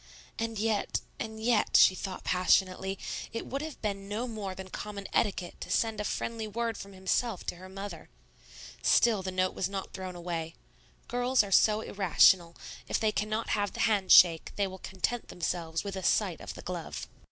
And yet, and yet, she thought passionately, it would have been no more than common etiquette to send a friendly word from himself to her mother. Still the note was not thrown away. Girls are so irrational; if they cannot have the hand shake, they will content themselves with a sight of the glove.